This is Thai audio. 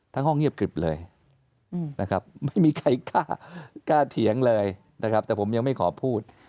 ห้องเงียบกริบเลยนะครับไม่มีใครกล้าเถียงเลยนะครับแต่ผมยังไม่ขอพูด